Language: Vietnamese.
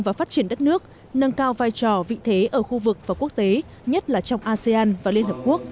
và phát triển đất nước nâng cao vai trò vị thế ở khu vực và quốc tế nhất là trong asean và liên hợp quốc